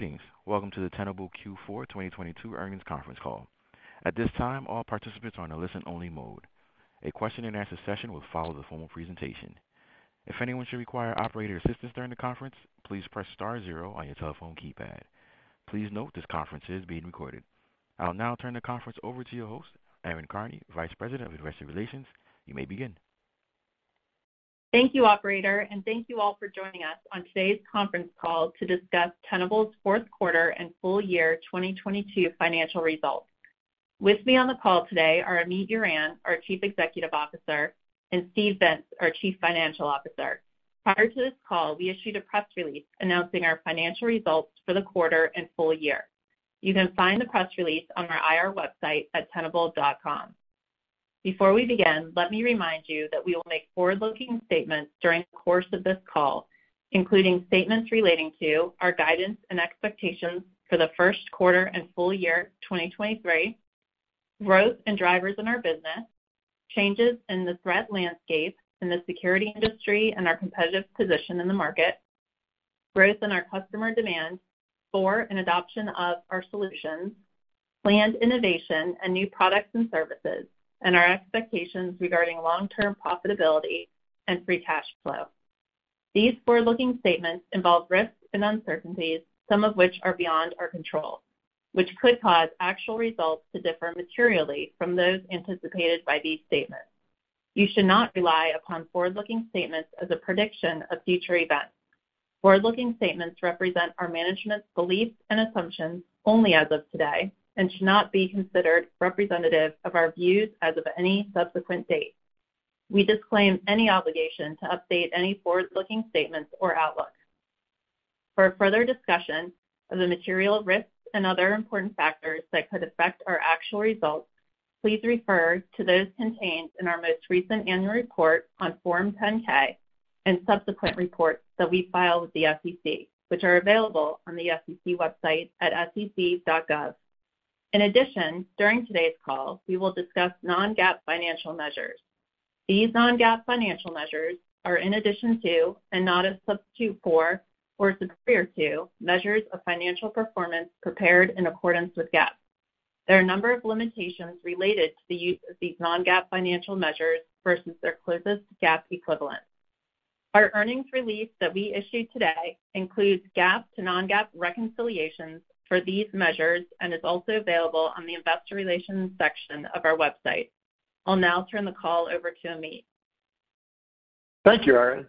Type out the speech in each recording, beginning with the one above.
Greetings. Welcome to the Tenable Q4 2022 Earnings Conference Call. At this time, all participants are on a listen-only mode. A question and answer session will follow the formal presentation. If anyone should require operator assistance during the conference, please press star zero on your telephone keypad. Please note this conference is being recorded. I'll now turn the conference over to your host, Erin Karney, Vice President of Investor Relations. You may begin. Thank you, operator, and thank you all for joining us on today's conference call to discuss Tenable's Q4 and full year 2022 financial results. With me on the call today are Amit Yoran, our Chief Executive Officer, and Steve Vintz, our Chief Financial Officer. Prior to this call, we issued a press release announcing our financial results for the quarter and full year. You can find the press release on our IR website at tenable.com. Before we begin, let me remind you that we will make forward-looking statements during the course of this call, including statements relating to our guidance and expectations for Q1 and full year 2023, growth and drivers in our business, changes in the threat landscape in the security industry and our competitive position in the market, growth in our customer demand for an adoption of our solutions, planned innovation and new products and services, and our expectations regarding long-term profitability and free cash flow. These forward-looking statements involve risks and uncertainties, some of which are beyond our control, which could cause actual results to differ materially from those anticipated by these statements. You should not rely upon forward-looking statements as a prediction of future events. Forward-looking statements represent our management's beliefs and assumptions only as of today and should not be considered representative of our views as of any subsequent date. We disclaim any obligation to update any forward-looking statements or outlooks. For a further discussion of the material risks and other important factors that could affect our actual results, please refer to those contained in our most recent annual report on Form 10-K and subsequent reports that we file with the SEC, which are available on the SEC website at sec.gov. In addition, during today's call, we will discuss non-GAAP financial measures. These non-GAAP financial measures are in addition to and not a substitute for or superior to measures of financial performance prepared in accordance with GAAP. There are a number of limitations related to the use of these non-GAAP financial measures versus their closest GAAP equivalent. Our earnings release that we issued today includes GAAP to non-GAAP reconciliations for these measures and is also available on the investor relations section of our website. I'll now turn the call over to Amit. Thank you, Erin.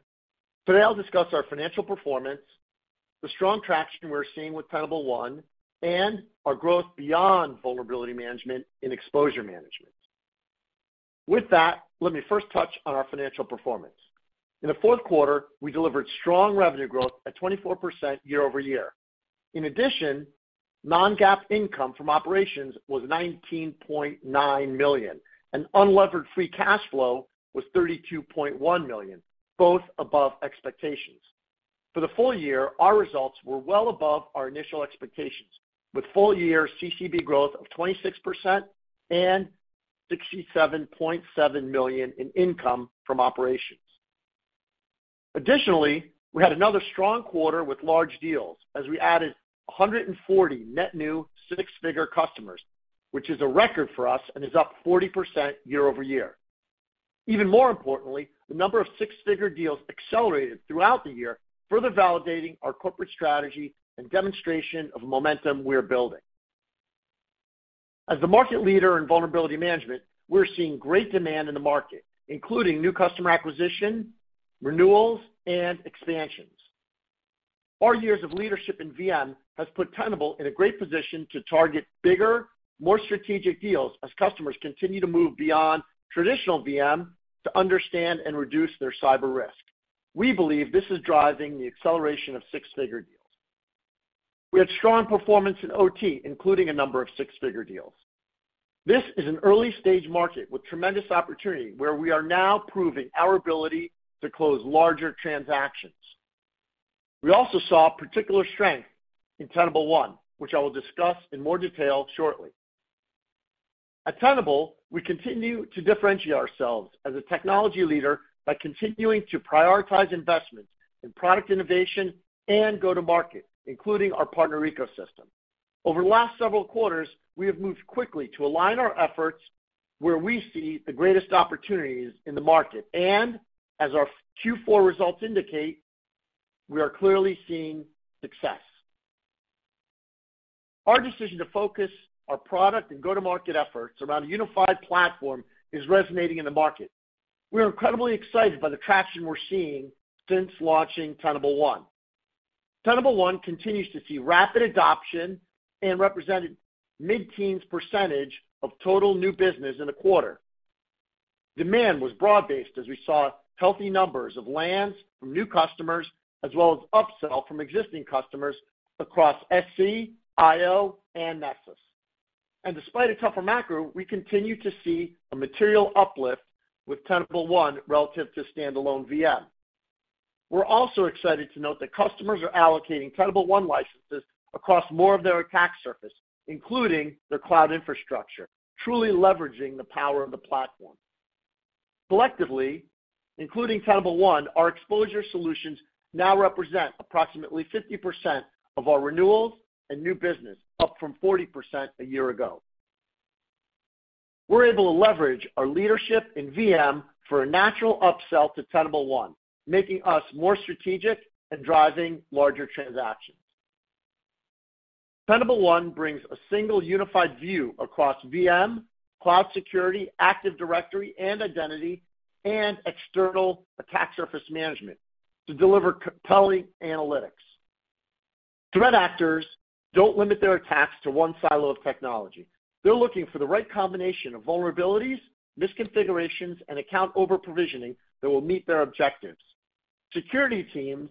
Today, I'll discuss our financial performance, the strong traction we're seeing with Tenable One, and our growth beyond vulnerability management in exposure management. With that, let me first touch on our financial performance. In Q4, we delivered strong revenue growth at 24% year-over-year. In addition, non-GAAP income from operations was $19.9 million, and unlevered free cash flow was $32.1 million, both above expectations. For the full year, our results were well above our initial expectations, with full-year CCB growth of 26% and $67.7 million in income from operations. Additionally, we had another strong quarter with large deals as we added 140 net new six-figure customers, which is a record for us and is up 40% year-over-year. Even more importantly, the number of 6-figure deals accelerated throughout the year, further validating our corporate strategy and demonstration of momentum we're building. As the market leader in vulnerability management, we're seeing great demand in the market, including new customer acquisition, renewals, and expansions. Our years of leadership in VM has put Tenable in a great position to target bigger, more strategic deals as customers continue to move beyond traditional VM to understand and reduce their cyber risk. We believe this is driving the acceleration of six-figure deals. We had strong performance in OT, including a number of six-figure deals. This is an early-stage market with tremendous opportunity where we are now proving our ability to close larger transactions. We also saw particular strength in Tenable One, which I will discuss in more detail shortly. At Tenable, we continue to differentiate ourselves as a technology leader by continuing to prioritize investment in product innovation and go to market, including our partner ecosystem. Over the last several quarters, we have moved quickly to align our efforts where we see the greatest opportunities in the market. As our Q4 results indicate, we are clearly seeing success. Our decision to focus our product and go-to-market efforts around a unified platform is resonating in the market. We are incredibly excited by the traction we're seeing since launching Tenable One. Tenable One continues to see rapid adoption and represented mid-teens percentage of total new business in the quarter. Demand was broad-based as we saw healthy numbers of lands from new customers as well as upsell from existing customers across SC, IO, and Nessus. Despite a tougher macro, we continue to see a material uplift with Tenable One relative to standalone VM. We're also excited to note that customers are allocating Tenable One licenses across more of their attack surface, including their cloud infrastructure, truly leveraging the power of the platform. Collectively, including Tenable One, our exposure solutions now represent approximately 50% of our renewals and new business, up from 40% a year ago. We're able to leverage our leadership in VM for a natural upsell to Tenable One, making us more strategic and driving larger transactions. Tenable One brings a single unified view across VM, cloud security, Active Directory and identity, and external attack surface management to deliver compelling analytics. Threat actors don't limit their attacks to one silo of technology. They're looking for the right combination of vulnerabilities, misconfigurations, and account over-provisioning that will meet their objectives. Security teams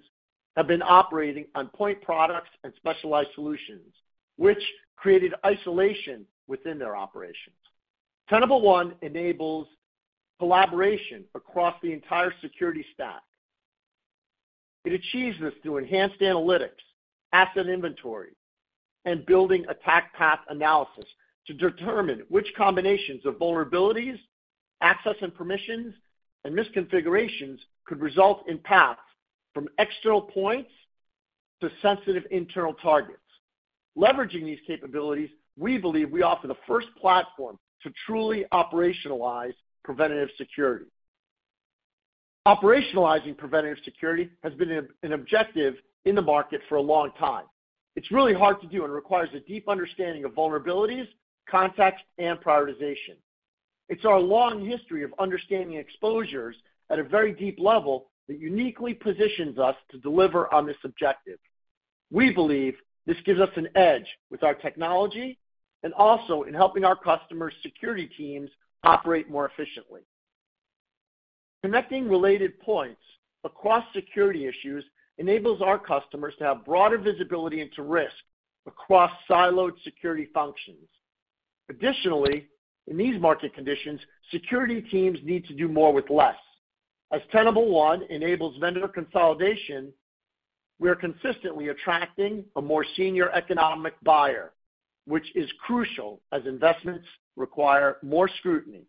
have been operating on point products and specialized solutions, which created isolation within their operations. Tenable One enables collaboration across the entire security stack. It achieves this through enhanced analytics, asset inventory, and building Attack Path Analysis to determine which combinations of vulnerabilities, access and permissions, and misconfigurations could result in paths from external points to sensitive internal targets. Leveraging these capabilities, we believe we offer the first platform to truly operationalize preventative security. Operationalizing preventative security has been an objective in the market for a long time. It's really hard to do and requires a deep understanding of vulnerabilities, context, and prioritization. It's our long history of understanding exposures at a very deep level that uniquely positions us to deliver on this objective. We believe this gives us an edge with our technology and also in helping our customers' security teams operate more efficiently. Connecting related points across security issues enables our customers to have broader visibility into risk across siloed security functions. In these market conditions, security teams need to do more with less. Tenable One enables vendor consolidation, we are consistently attracting a more senior economic buyer, which is crucial as investments require more scrutiny.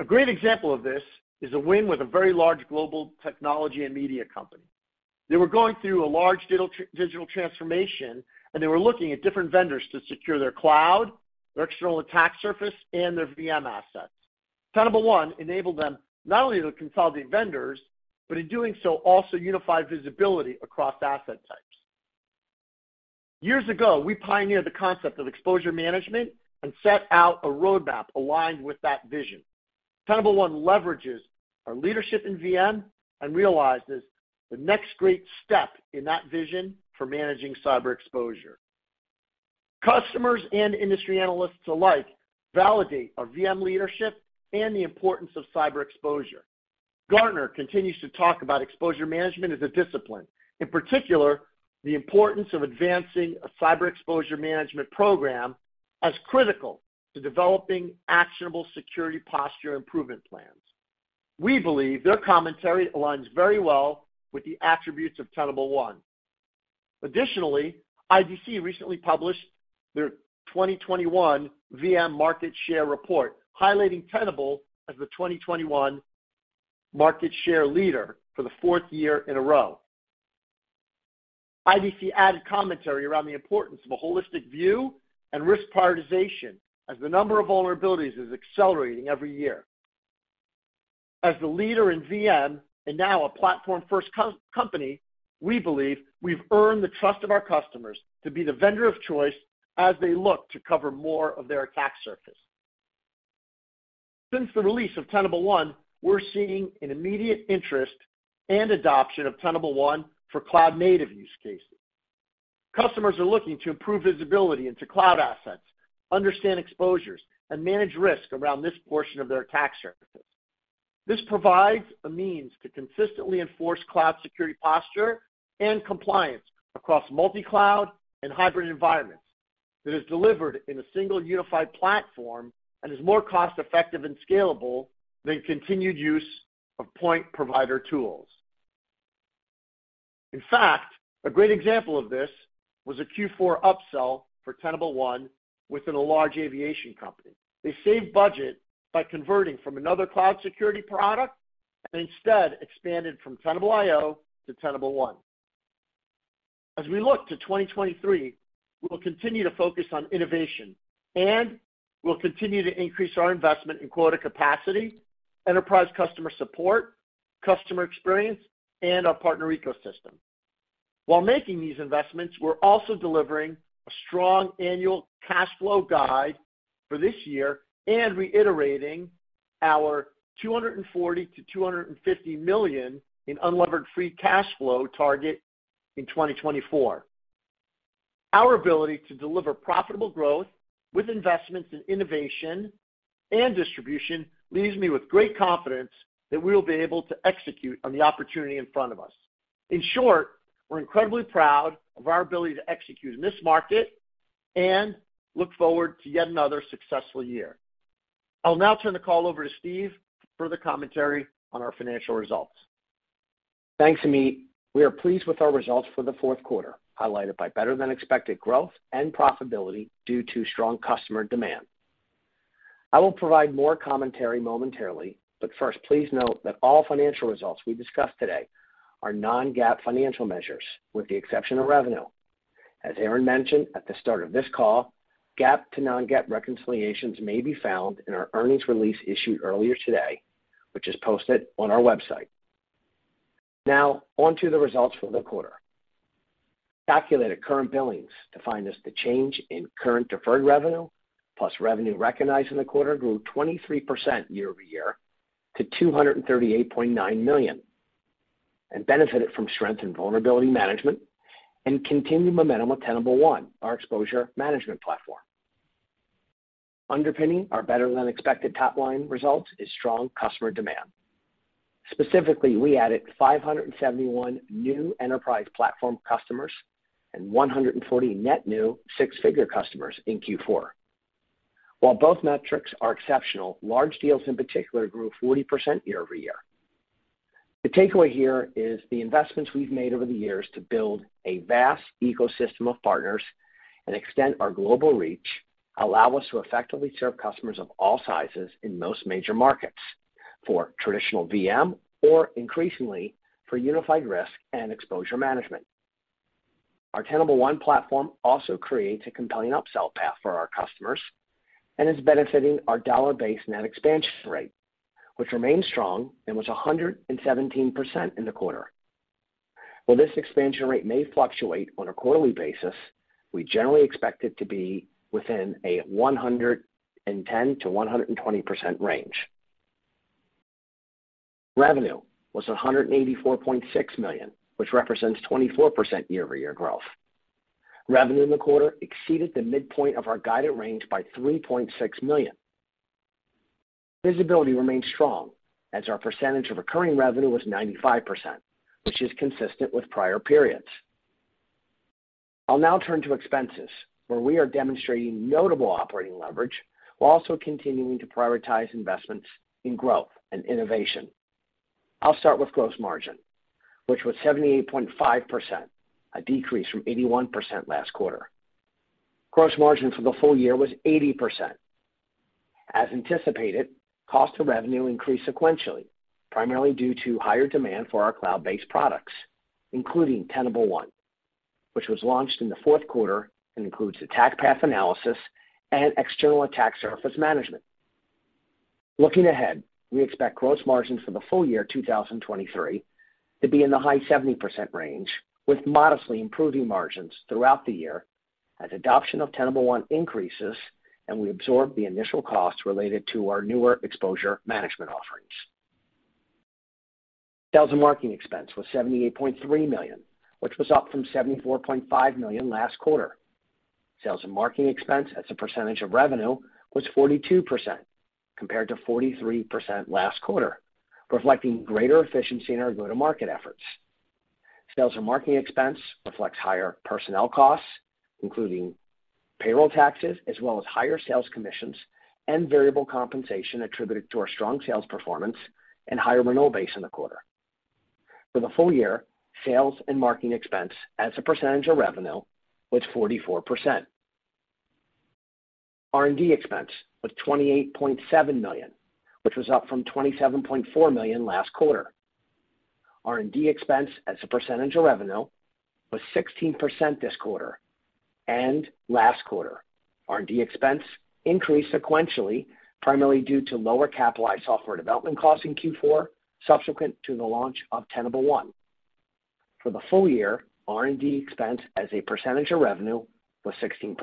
A great example of this is a win with a very large global technology and media company. They were going through a large digital transformation, and they were looking at different vendors to secure their cloud, their external attack surface, and their VM assets. Tenable One enabled them not only to consolidate vendors, in doing so, also unify visibility across asset types. Years ago, we pioneered the concept of exposure management and set out a roadmap aligned with that vision. Tenable One leverages our leadership in VM and realizes the next great step in that vision for managing cyber exposure. Customers and industry analysts alike validate our VM leadership and the importance of cyber exposure. Gartner continues to talk about exposure management as a discipline, in particular, the importance of advancing a cyber exposure management program as critical to developing actionable security posture improvement plans. We believe their commentary aligns very well with the attributes of Tenable One. Additionally, IDC recently published their 2021 VM market share report, highlighting Tenable as the 2021 market share leader for the fourth year in a row. IDC added commentary around the importance of a holistic view and risk prioritization as the number of vulnerabilities is accelerating every year. As the leader in VM and now a platform-first company, we believe we've earned the trust of our customers to be the vendor of choice as they look to cover more of their attack surface. Since the release of Tenable One, we're seeing an immediate interest and adoption of Tenable One for cloud-native use cases. Customers are looking to improve visibility into cloud assets, understand exposures, and manage risk around this portion of their attack surfaces. This provides a means to consistently enforce cloud security posture and compliance across multi-cloud and hybrid environments that is delivered in a single unified platform and is more cost-effective and scalable than continued use of point provider tools. In fact, a great example of this was a Q4 upsell for Tenable One within a large aviation company. They saved budget by converting from another cloud security product and instead expanded from Tenable.io to Tenable One. As we look to 2023, we will continue to focus on innovation, and we'll continue to increase our investment in quota capacity, enterprise customer support, customer experience, and our partner ecosystem. While making these investments, we're also delivering a strong annual cash flow guide for this year and reiterating our $240-250 million in unlevered free cash flow target in 2024. Our ability to deliver profitable growth with investments in innovation and distribution leaves me with great confidence that we will be able to execute on the opportunity in front of us. In short, we're incredibly proud of our ability to execute in this market and look forward to yet another successful year. I'll now turn the call over to Steve for further commentary on our financial results. Thanks, Amit. We are pleased with our results for Q4, highlighted by better than expected growth and profitability due to strong customer demand. I will provide more commentary momentarily, but first, please note that all financial results we discuss today are non-GAAP financial measures, with the exception of revenue. As Erin mentioned at the start of this call, GAAP to non-GAAP reconciliations may be found in our earnings release issued earlier today, which is posted on our website. Now on to the results for the quarter. Calculated current billings defined as the change in current deferred revenue plus revenue recognized in the quarter grew 23% year-over-year to $238.9 million and benefited from strength and vulnerability management and continued momentum with Tenable One, our exposure management platform. Underpinning our better than expected top line results is strong customer demand. Specifically, we added 571 new enterprise platform customers and 140 net new six-figure customers in Q4. While both metrics are exceptional, large deals in particular grew 40% year-over-year. The takeaway here is the investments we've made over the years to build a vast ecosystem of partners and extend our global reach allow us to effectively serve customers of all sizes in most major markets for traditional VM or increasingly for unified risk and exposure management. Our Tenable One platform also creates a compelling upsell path for our customers and is benefiting our dollar-based net expansion rate, which remains strong and was 117% in the quarter. While this expansion rate may fluctuate on a quarterly basis, we generally expect it to be within a 110%-120% range. Revenue was $184.6 million, which represents 24% year-over-year growth. Revenue in the quarter exceeded the midpoint of our guided range by $3.6 million. Visibility remains strong as our percentage of recurring revenue was 95%, which is consistent with prior periods. I'll now turn to expenses, where we are demonstrating notable operating leverage while also continuing to prioritize investments in growth and innovation. I'll start with gross margin, which was 78.5%, a decrease from 81% last quarter. Gross margin for the full year was 80%. As anticipated, cost of revenue increased sequentially, primarily due to higher demand for our cloud-based products, including Tenable One, which was launched in Q4 and includes Attack Path Analysis and External Attack Surface Management. Looking ahead, we expect gross margin for the full year 2023 to be in the high 70% range with modestly improving margins throughout the year as adoption of Tenable One increases, and we absorb the initial costs related to our newer exposure management offerings. Sales and marketing expense was $78.3 million, which was up from 74.5 million last quarter. Sales and marketing expense as a percentage of revenue was 42% compared to 43% last quarter, reflecting greater efficiency in our go-to-market efforts. Sales and marketing expense reflects higher personnel costs, including payroll taxes, as well as higher sales commissions and variable compensation attributed to our strong sales performance and higher renewal base in the quarter. For the full year, sales and marketing expense as a percentage of revenue was 44%. R&D expense was $28.7 million, which was up from 27.4 million last quarter. R&D expense as a percentage of revenue was 16% this quarter and last quarter. R&D expense increased sequentially, primarily due to lower capitalized software development costs in Q4 subsequent to the launch of Tenable One. For the full year, R&D expense as a percentage of revenue was 16%.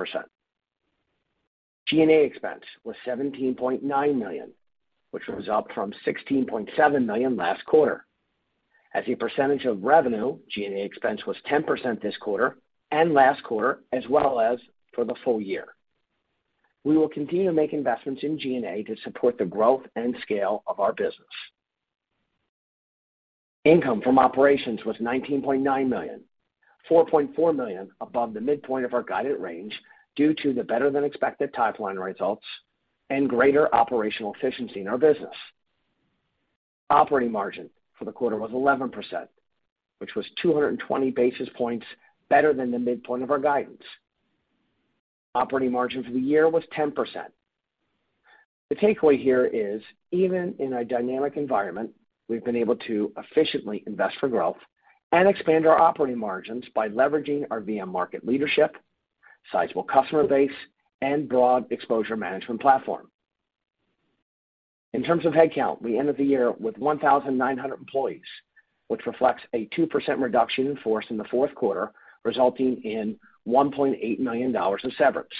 G&A expense was $17.9 million, which was up from 16.7 million last quarter. As a percentage of revenue, G&A expense was 10% this quarter and last quarter as well as for the full year. We will continue to make investments in G&A to support the growth and scale of our business. Income from operations was $19.9 million, 4.4 million above the midpoint of our guided range due to the better than expected top-line results and greater operational efficiency in our business. Operating margin for the quarter was 11%, which was 220 basis points better than the midpoint of our guidance. Operating margin for the year was 10%. The takeaway here is even in a dynamic environment, we've been able to efficiently invest for growth and expand our operating margins by leveraging our VM market leadership, sizable customer base, and broad exposure management platform. In terms of headcount, we ended the year with 1,900 employees, which reflects a 2% reduction in force in Q4, resulting in $1.8 million in severance.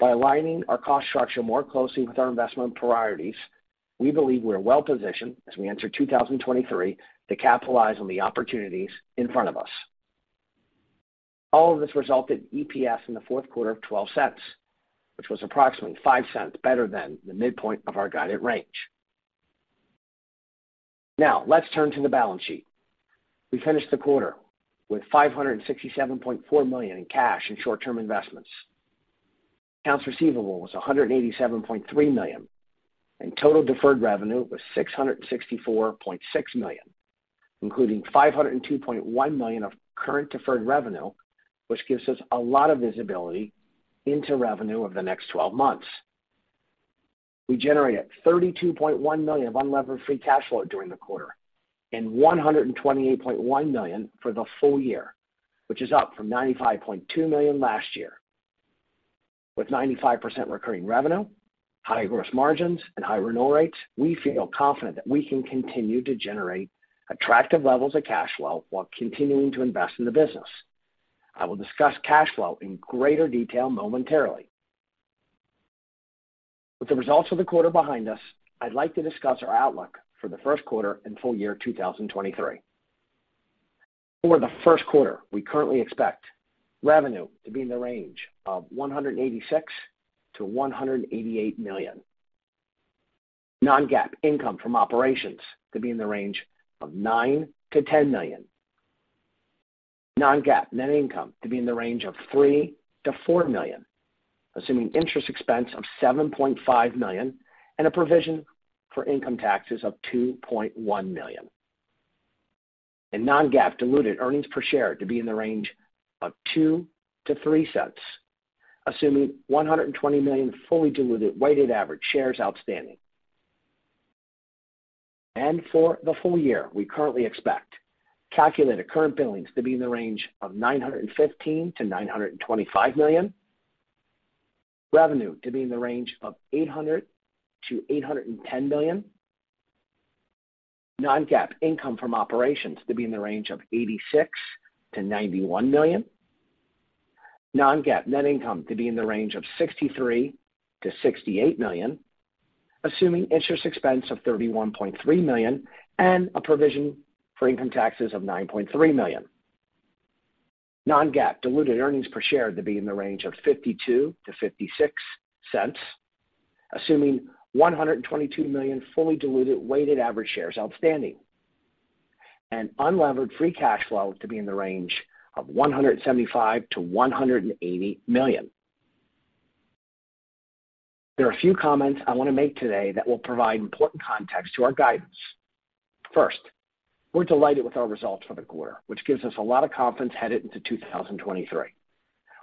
By aligning our cost structure more closely with our investment priorities, we believe we are well positioned as we enter 2023 to capitalize on the opportunities in front of us. All of this resulted in EPS in Q4 of $0.12, which was approximately 0.05 better than the midpoint of our guided range. Let's turn to the balance sheet. We finished the quarter with $567.4 million in cash and short-term investments. Accounts receivable was $187.3 million, and total deferred revenue was $664.6 million, including $502.1 million of current deferred revenue, which gives us a lot of visibility into revenue over the next 12 months. We generated $32.1 million of unlevered free cash flow during the quarter and $128.1 million for the full year, which is up from $95.2 million last year. With 95% recurring revenue, high gross margins and high renewal rates, we feel confident that we can continue to generate attractive levels of cash flow while continuing to invest in the business. I will discuss cash flow in greater detail momentarily. With the results of the quarter behind us, I'd like to discuss our outlook for Q1 and full year 2023. For Q1, we currently expect revenue to be in the range of $186-188 million. non-GAAP income from operations to be in the range of $9-10 million. Non-GAAP net income to be in the range of $3-4 million, assuming interest expense of $7.5 million and a provision for income taxes of $2.1 million. Non-GAAP diluted earnings per share to be in the range of $0.02-0.03, assuming 120 million fully diluted weighted average shares outstanding. For the full year, we currently expect calculated current billings to be in the range of $915-925 million. Revenue to be in the range of $800-810 million. Non-GAAP income from operations to be in the range of $86-91 million. Non-GAAP net income to be in the range of $63-68 million, assuming interest expense of $31.3 million and a provision for income taxes of $9.3 million. Non-GAAP diluted earnings per share to be in the range of $0.52-0.56, assuming 122 million fully diluted weighted average shares outstanding. Unlevered free cash flow to be in the range of $175-180 million. There are a few comments I want to make today that will provide important context to our guidance. First, we're delighted with our results for the quarter, which gives us a lot of confidence headed into 2023.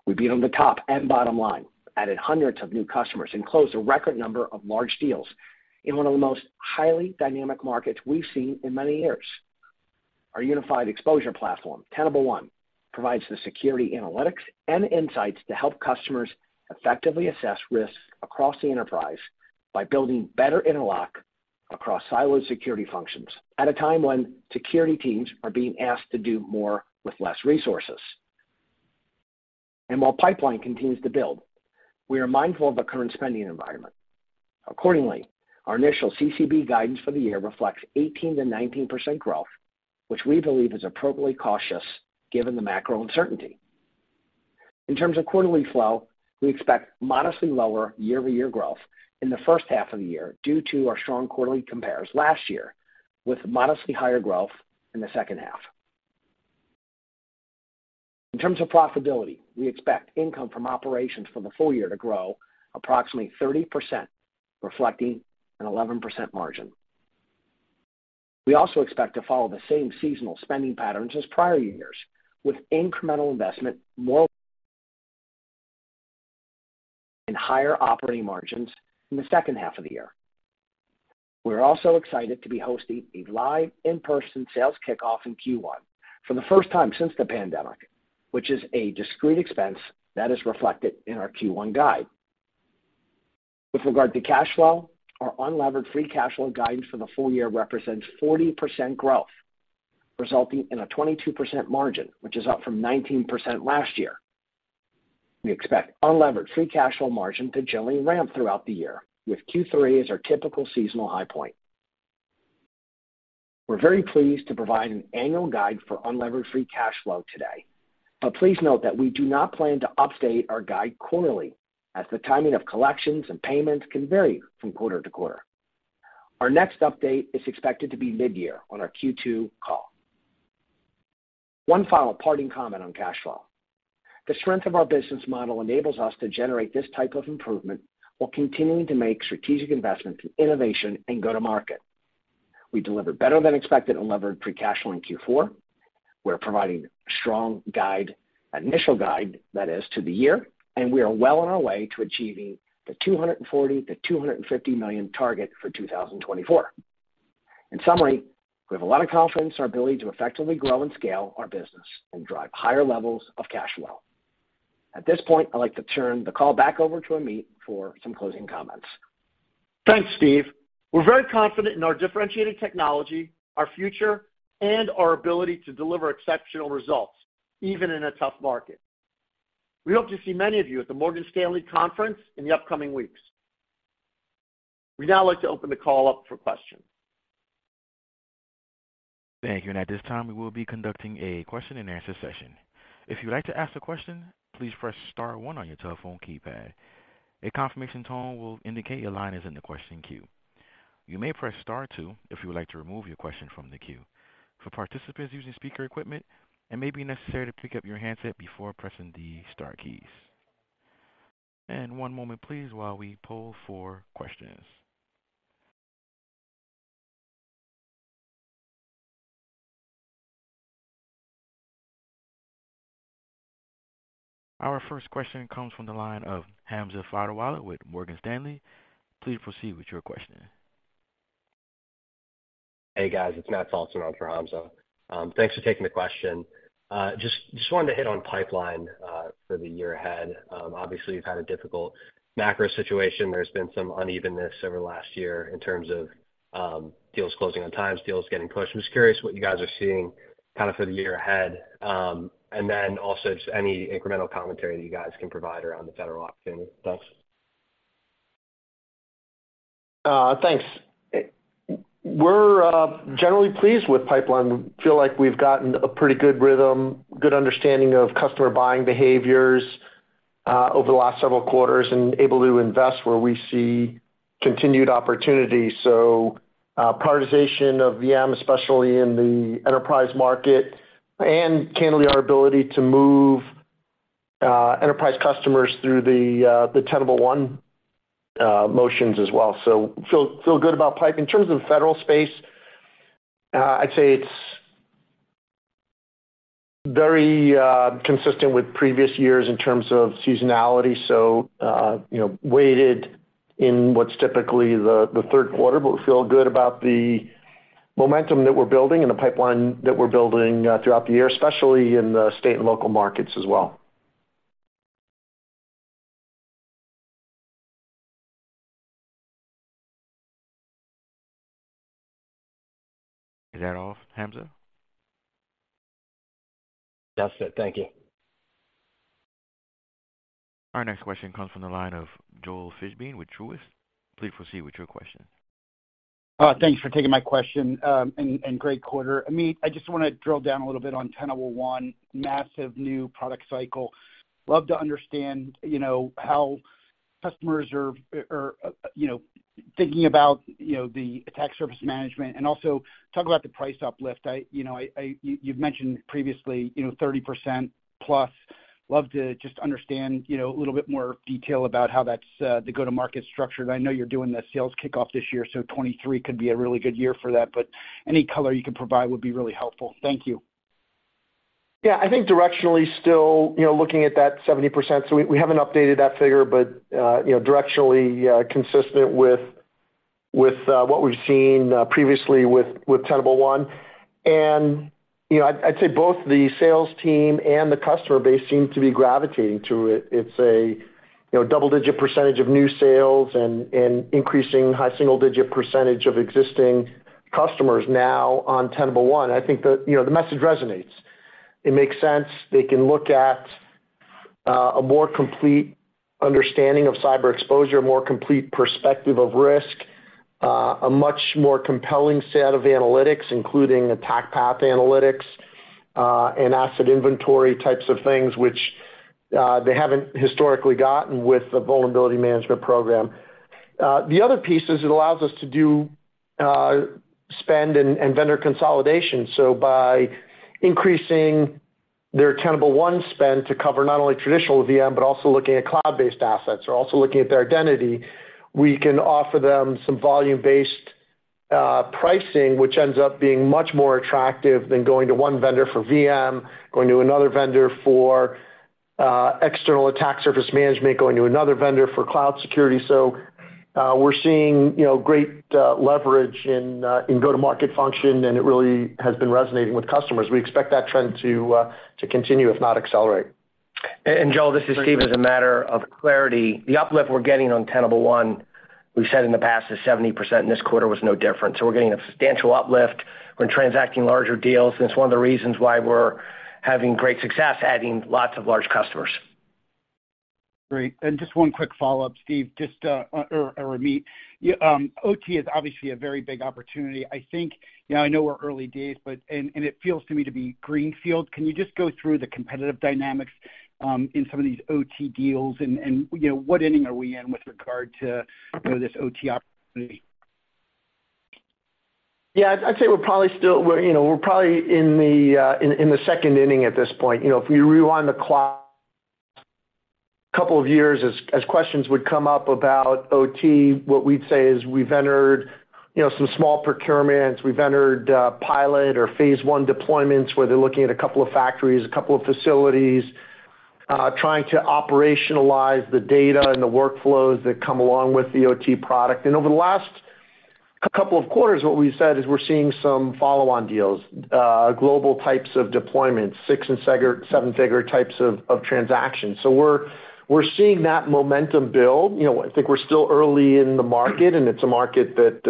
We beat on the top and bottom line, added hundreds of new customers, and closed a record number of large deals in one of the most highly dynamic markets we've seen in many years. Our unified exposure platform, Tenable One, provides the security, analytics, and insights to help customers effectively assess risks across the enterprise by building better interlock across siloed security functions at a time when security teams are being asked to do more with less resources. While pipeline continues to build, we are mindful of the current spending environment. Accordingly, our initial CCB guidance for the year reflects 18%-19% growth, which we believe is appropriately cautious given the macro uncertainty. In terms of quarterly flow, we expect modestly lower year-over-year growth in the first half of the year due to our strong quarterly compares last year with modestly higher growth in the second half. In terms of profitability, we expect income from operations for the full year to grow approximately 30%, reflecting an 11% margin. We also expect to follow the same seasonal spending patterns as prior years, with incremental investment and higher operating margins in the second half of the year. We're also excited to be hosting a live in-person sales kickoff in Q1 for the first time since the pandemic, which is a discrete expense that is reflected in our Q1 guide. With regard to cash flow, our unlevered free cash flow guidance for the full year represents 40% growth, resulting in a 22% margin, which is up from 19% last year. We expect unlevered free cash flow margin to gently ramp throughout the year with Q3 as our typical seasonal high point. We're very pleased to provide an annual guide for unlevered free cash flow today. Please note that we do not plan to update our guide quarterly as the timing of collections and payments can vary from quarter to quarter. Our next update is expected to be mid-year on our Q2 call. One final parting comment on cash flow. The strength of our business model enables us to generate this type of improvement while continuing to make strategic investments in innovation and go to market. We delivered better than expected unlevered free cash flow in Q4. We're providing a strong initial guide, that is, to the year, and we are well on our way to achieving the $240-250 million target for 2024. In summary, we have a lot of confidence in our ability to effectively grow and scale our business and drive higher levels of cash flow. At this point, I'd like to turn the call back over to Amit for some closing comments. Thanks, Steve. We're very confident in our differentiated technology, our future, and our ability to deliver exceptional results even in a tough market. We hope to see many of you at the Morgan Stanley Conference in the upcoming weeks. We'd now like to open the call up for questions. Thank you. At this time, we will be conducting a question and answer session. If you'd like to ask a question, please press star one on your telephone keypad. A confirmation tone will indicate your line is in the question queue. You may press star two if you would like to remove your question from the queue. For participants using speaker equipment, it may be necessary to pick up your handset before pressing the star keys. One moment please while we poll for questions. Our first question comes from the line of Hamza Fodderwala with Morgan Stanley. Please proceed with your question. Hey, guys, it's Matt Salton on for Hamza. Thanks for taking the question. Just wanted to hit on pipeline for the year ahead. Obviously, you've had a difficult macro situation. There's been some unevenness over the last year in terms of deals closing on time, deals getting pushed. I'm just curious what you guys are seeing kind of for the year ahead. Also just any incremental commentary that you guys can provide around the federal opportunity. Thanks. Thanks. We're generally pleased with pipeline. Feel like we've gotten a pretty good rhythm, good understanding of customer buying behaviors over the last several quarters and able to invest where we see continued opportunity. Prioritization of VM, especially in the enterprise market, and candidly, our ability to move enterprise customers through the Tenable One motions as well. Feel good about pipe. In terms of federal space, I'd say it's very consistent with previous years in terms of seasonality. You know, weighted in what's typically Q3. We feel good about the momentum that we're building and the pipeline that we're building throughout the year, especially in the state and local markets as well. Is that all, Hamza? That's it. Thank you. Our next question comes from the line of Joel Fishbein with Truist. Please proceed with your question. Thanks for taking my question, and great quarter. Amit, I just wanna drill down a little bit on Tenable One massive new product cycle. Love to understand, you know, how customers are, you know, thinking about, you know, the attack service management and also talk about the price uplift. I, you know, You've mentioned previously, you know, 30%+. Love to just understand, you know, a little bit more detail about how that's the go-to-market structure. I know you're doing the sales kickoff this year, so 2023 could be a really good year for that, but any color you can provide would be really helpful. Thank you. Yeah. I think directionally still, you know, looking at that 70%. We, we haven't updated that figure, but, you know, directionally, consistent with, what we've seen, previously with Tenable One. You know, I'd say both the sales team and the customer base seem to be gravitating to it. It's a, you know, double-digit percent of new sales and increasing high single-digit percent of existing customers now on Tenable One. I think the, you know, the message resonates. It makes sense. They can look at, a more complete understanding of cyber exposure, a more complete perspective of risk, a much more compelling set of analytics, including Attack Path Analytics, and asset inventory types of things which, they haven't historically gotten with the vulnerability management program. The other piece is it allows us to do spend and vendor consolidation. By increasing their Tenable One spend to cover not only traditional VM, but also looking at cloud-based assets or also looking at their identity, we can offer them some volume-based pricing, which ends up being much more attractive than going to one vendor for VM, going to another vendor for external attack surface management, going to another vendor for cloud security. We're seeing, you know, great leverage in go-to-market function, and it really has been resonating with customers. We expect that trend to continue, if not accelerate. Joel, this is Steve. As a matter of clarity, the uplift we're getting on Tenable One, we've said in the past is 70%, and this quarter was no different. We're getting a substantial uplift. We're transacting larger deals, and it's one of the reasons why we're having great success adding lots of large customers. Great. Just one quick follow-up, Steve, or Amit. OT is obviously a very big opportunity. I think, you know, I know we're early days, but. It feels to me to be greenfield. Can you just go through the competitive dynamics in some of these OT deals? You know, what inning are we in with regard to, you know, this OT opportunity? Yeah. I'd say we're probably still... we're, you know, we're probably in the second inning at this point. You know, if we rewind the clock couple of years as questions would come up about OT, what we'd say is we've entered, you know, some small procurements. We've entered pilot or phase one deployments, where they're looking at a couple of factories, a couple of facilities, trying to operationalize the data and the workflows that come along with the OT product. Over the last couple of quarters, what we've said is we're seeing some follow-on deals, global types of deployments, six and seven-figure types of transactions. We're seeing that momentum build. You know, I think we're still early in the market, and it's a market that,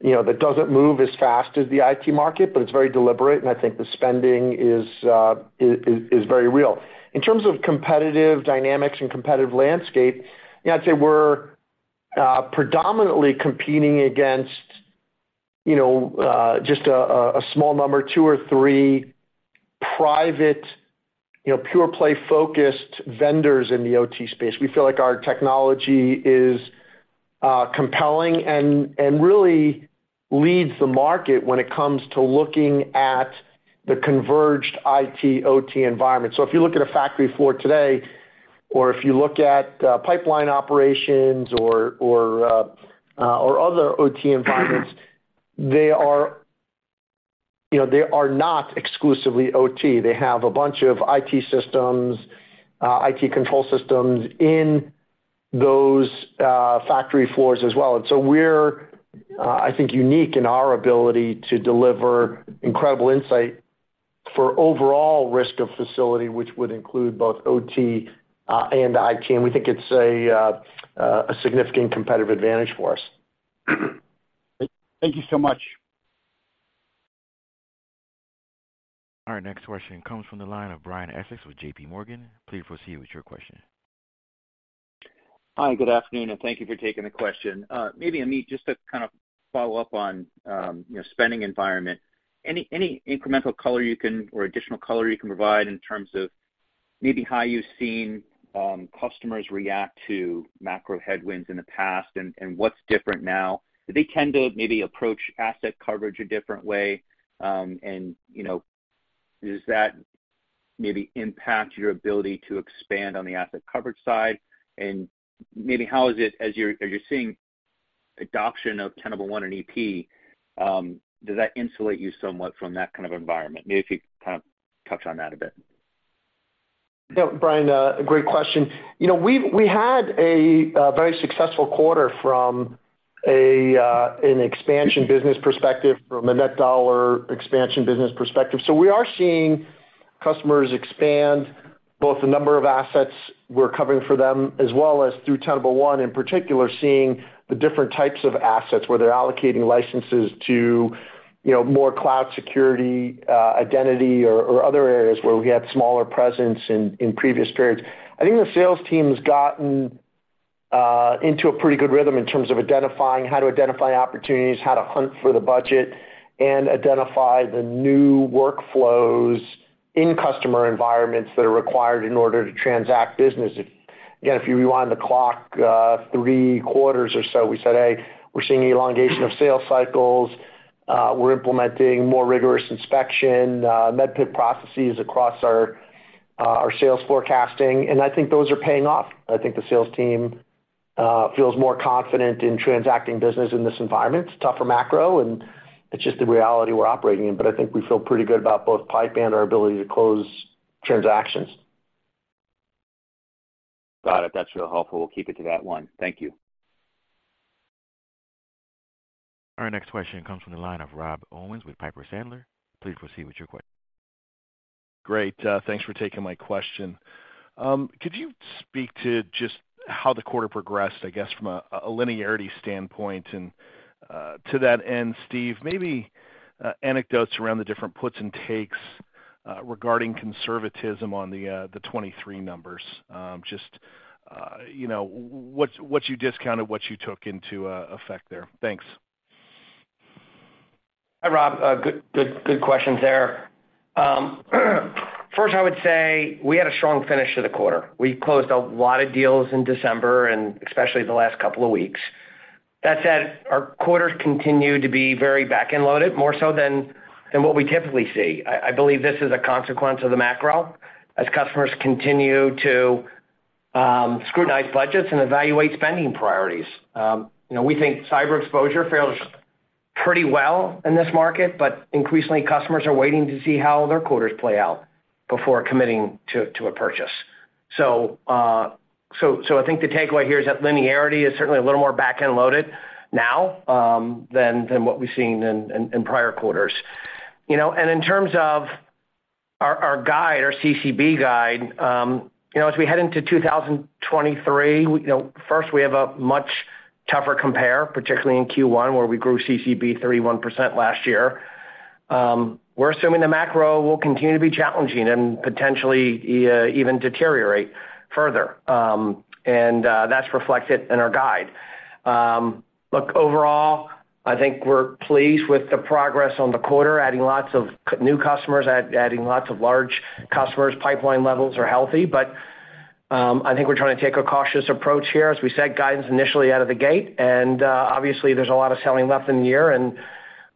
you know, that doesn't move as fast as the IT market, but it's very deliberate, and I think the spending is very real. In terms of competitive dynamics and competitive landscape, you know, I'd say we're predominantly competing against, you know, just a small number, two or three private, you know, pure play-focused vendors in the OT space. We feel like our technology is compelling and really leads the market when it comes to looking at the converged IT, OT environment. If you look at a factory floor today or if you look at pipeline operations or other OT environments, they are, you know, they are not exclusively OT. They have a bunch of IT systems, IT control systems in those, factory floors as well. We're, I think, unique in our ability to deliver incredible insight for overall risk of facility, which would include both OT and IT. We think it's a significant competitive advantage for us. Thank you so much. Our next question comes from the line of Brian Essex with JPMorgan. Please proceed with your question. Hi, good afternoon, and thank you for taking the question. Maybe, Amit, just to kind of follow up on, you know, spending environment. Any incremental color you can or additional color you can provide in terms of maybe how you've seen, customers react to macro headwinds in the past and what's different now? Do they tend to maybe approach asset coverage a different way? You know, does that maybe impact your ability to expand on the asset coverage side? Maybe how is it as you're seeing adoption of Tenable One and Tenable.ep, does that insulate you somewhat from that kind of environment? Maybe if you kind of touch on that a bit. Yeah. Brian, great question. You know, we had a very successful quarter from an expansion business perspective, from a net dollar expansion business perspective. We are seeing customers expand both the number of assets we're covering for them as well as through Tenable One, in particular, seeing the different types of assets where they're allocating licenses to, you know, more cloud security, identity or other areas where we had smaller presence in previous periods. I think the sales team's gotten into a pretty good rhythm in terms of identifying how to identify opportunities, how to hunt for the budget and identify the new workflows in customer environments that are required in order to transact business. Again, if you rewind the clock, three quarters or so, we said, "Hey, we're seeing elongation of sales cycles. We're implementing more rigorous inspection, MEDDPICC processes across our sales forecasting. I think those are paying off. I think the sales team feels more confident in transacting business in this environment. It's tougher macro, and it's just the reality we're operating in. I think we feel pretty good about both pipe and our ability to close transactions. Got it. That's real helpful. We'll keep it to that one. Thank you. Our next question comes from the line of Rob Owens with Piper Sandler. Please proceed with your question. Great. Thanks for taking my question. Could you speak to just how the quarter progressed, I guess, from a linearity standpoint? To that end, Steve, maybe anecdotes around the different puts and takes regarding conservatism on the 23 numbers. Just, you know, what you discounted, what you took into effect there. Thanks. Hi, Rob. Good questions there. First, I would say we had a strong finish to the quarter. We closed a lot of deals in December and especially the last couple of weeks. That said, our quarters continue to be very back-end loaded, more so than what we typically see. I believe this is a consequence of the macro as customers continue to scrutinize budgets and evaluate spending priorities. You know, we think cyber exposure fares pretty well in this market, but increasingly customers are waiting to see how their quarters play out before committing to a purchase. I think the takeaway here is that linearity is certainly a little more back-end loaded now than what we've seen in prior quarters. You know, in terms of our guide, our CCB guide, you know, as we head into 2023, you know, first, we have a much tougher compare, particularly in Q1, where we grew CCB 31% last year. We're assuming the macro will continue to be challenging and potentially even deteriorate further. That's reflected in our guide. Look, overall, I think we're pleased with the progress on the quarter, adding lots of new customers, adding lots of large customers. Pipeline levels are healthy, but I think we're trying to take a cautious approach here as we set guidance initially out of the gate. Obviously there's a lot of selling left in the year,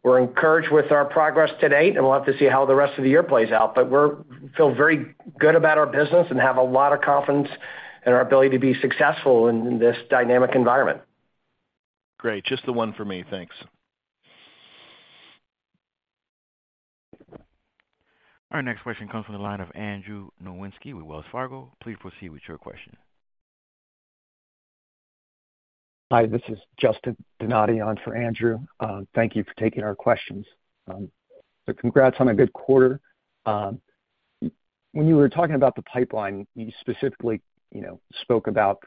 and we're encouraged with our progress to date, and we'll have to see how the rest of the year plays out. We feel very good about our business and have a lot of confidence in our ability to be successful in this dynamic environment. Great. Just the one for me. Thanks. Our next question comes from the line of Andrew Nowinski with Wells Fargo. Please proceed with your question. Hi, this is Justin Donati on for Andrew. Thank you for taking our questions. Congrats on a good quarter. When you were talking about the pipeline, you specifically, you know, spoke about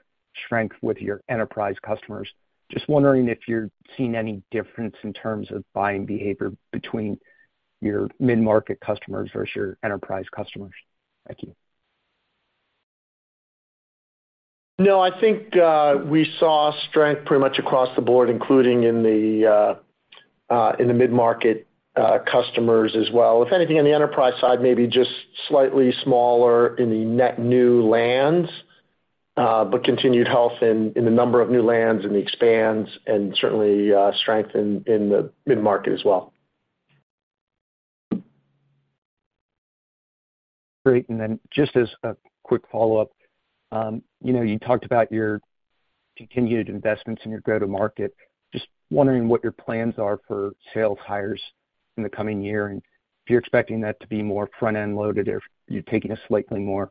strength with your enterprise customers. Just wondering if you're seeing any difference in terms of buying behavior between your mid-market customers versus your enterprise customers. Thank you. No, I think, we saw strength pretty much across the board, including in the mid-market customers as well. If anything, on the enterprise side, maybe just slightly smaller in the net new lands, but continued health in the number of new lands and the expands and certainly, strength in the mid-market as well. Great. Just as a quick follow-up, you know, you talked about your continued investments in your go-to market. Just wondering what your plans are for sales hires in the coming year, and if you're expecting that to be more front-end loaded, or if you're taking a slightly more,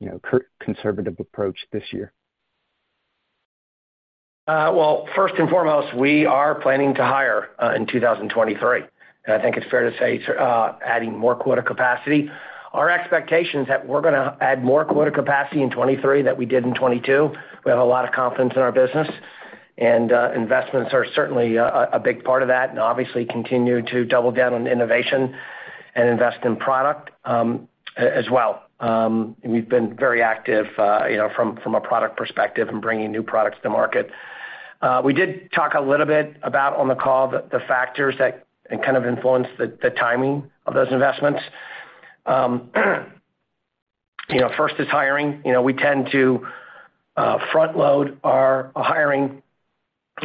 you know, conservative approach this year. Well, first and foremost, we are planning to hire in 2023. I think it's fair to say it's adding more quota capacity. Our expectation is that we're gonna add more quota capacity in 2023 than we did in 2022. We have a lot of confidence in our business, and investments are certainly a big part of that, and obviously continue to double down on innovation and invest in product as well. We've been very active, you know, from a product perspective and bringing new products to market. We did talk a little bit about on the call the factors that kind of influence the timing of those investments. You know, first is hiring. You know, we tend to front load our hiring